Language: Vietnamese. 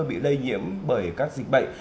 bị lây nhiễm bởi các dịch bệnh